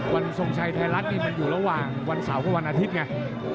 ทรงชัยไทยรัฐนี่มันอยู่ระหว่างวันเสาร์กับวันอาทิตย์ไง